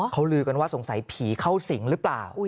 เขาลือกันว่าสงสัยผีเข้าสิงหรือเปล่า